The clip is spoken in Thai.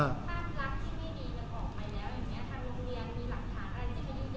ตั้งรัฐที่นี่บีต่อกล่องไปแล้วอย่างเงี้ยทางโรงเรียนมีหลักฐานอะไรสิ